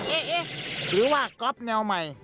เอ๊ะหรือว่าก๊อฟแนวใหม่